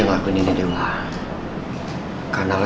di rumah format primanya nyata